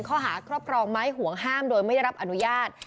ครอบครองไม้ห่วงห้ามโดยไม่ได้รับอนุญาต